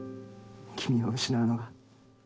君を失うのが。